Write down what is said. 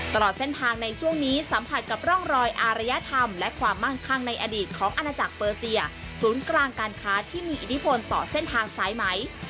ตลอดเส้นทางในช่วงนี้สัมผัสกับร่องรอยอารยธรรมและความมั่งคั่งในอดีตของอาณาจักรเปอร์เซียศูนย์กลางการค้าที่มีอิทธิพลต่อเส้นทางสายไหม